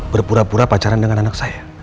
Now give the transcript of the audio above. berpura pura pacaran dengan anak saya